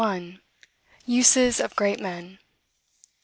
USES OF GREAT MEN.